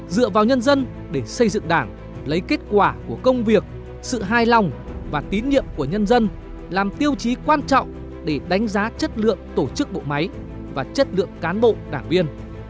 dựa vào nhân dân để xây dựng đảng lấy kết quả của công việc sự hài lòng và tín nhiệm của nhân dân làm tiêu chí quan trọng để đánh giá chất lượng tổ chức bộ máy và chất lượng cán bộ đảng viên